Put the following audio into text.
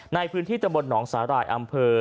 ในพื้นที่ตำบลหนองสาหร่ายอำเภอ